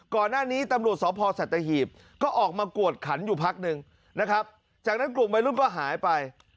ก่อนหน้านี้ตำรวจสพสัตหีบก็ออกมากวดขันอยู่พักหนึ่งนะครับจากนั้นกลุ่มวัยรุ่นก็หายไป